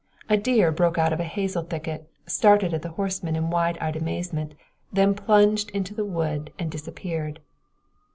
A deer broke out of a hazel thicket, stared at the horsemen in wide eyed amazement, then plunged into the wood and disappeared.